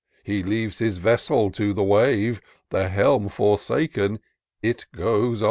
He leaves his vessel to the wave : The helm forsaken, on it goes.